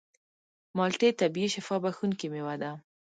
مالټې طبیعي شفا بښونکې مېوه ده.